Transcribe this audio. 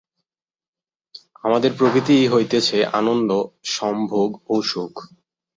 আমাদের প্রকৃতিই হইতেছে আনন্দ, সম্ভোগ ও সুখ।